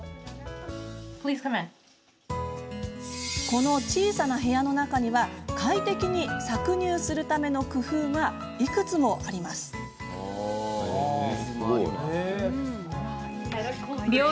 この小さな部屋の中には快適に搾乳するための工夫がいくつもあります。